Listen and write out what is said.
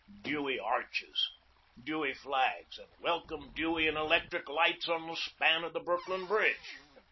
Dewey arches, Dewey flags, and "Welcome Dewey" in electric lights on the span of the Brook lyn Bridge!